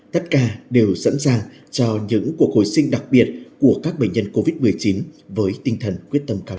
tất cả đều sẵn sàng cho những cuộc hồi sinh đặc biệt của các bệnh nhân covid một mươi chín với tinh thần quyết tâm cao